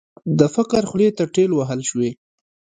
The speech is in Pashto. د فقر خولې ته ټېل وهل شوې.